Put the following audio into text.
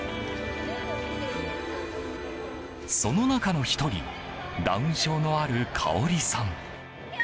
その中の１人、ダウン症のあるかおりさん。